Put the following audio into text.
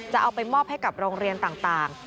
จะเอาไปมอบให้กับโรงเรียนต่าง